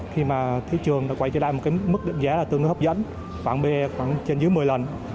khi mà thị trường đã quay trở lại một mức định giá tương đối hấp dẫn khoảng trên dưới một mươi lần